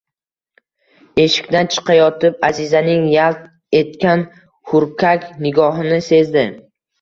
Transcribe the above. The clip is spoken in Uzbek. Eshikdan chiqayotib, Аzizaning yalt etgan hurkak nigohini sezdi.